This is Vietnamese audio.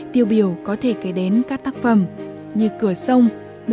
tiêu biểu có thể kể đến các tác phẩm như cửa sông một nghìn chín trăm sáu mươi bảy